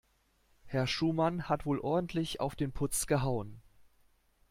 Herr Schumann hat wohl ordentlich auf den Putz gehauen.